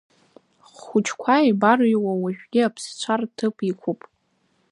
Ҳхәыҷқәа еибарыҩуа уажәгьы аԥсцәа рҭыԥ иқәуп.